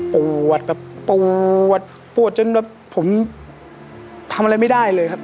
ปวดแบบปวดปวดจนแบบผมทำอะไรไม่ได้เลยครับ